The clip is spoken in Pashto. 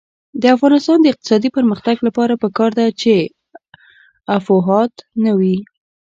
د افغانستان د اقتصادي پرمختګ لپاره پکار ده چې افواهات نه وي.